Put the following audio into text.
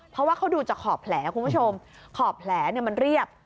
เพราะว่าเขาดูจากขอบแผลคุณผู้ชมขอบแผลมันเรียบ